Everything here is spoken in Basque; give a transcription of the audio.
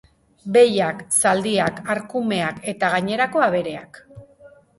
Behiak, zaldiak, arkumeak eta gainerako abereak.